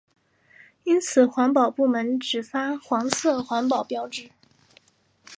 因此环保部门只发给黄色环保标志。